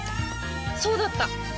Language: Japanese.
そうだった！